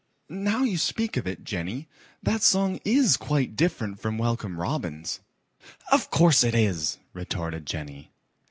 Now you speak of it, Jenny, that song IS quite different from Welcome Robin's." "Of course it is," retorted Jenny.